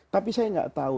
tapi saya tidak tahu